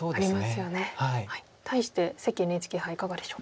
対して関ＮＨＫ杯いかがでしょうか？